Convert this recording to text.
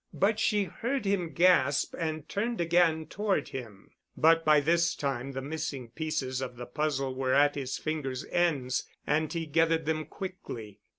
But she heard him gasp and turned again toward him. But by this time the missing pieces of the puzzle were at his fingers' ends and he gathered them quickly.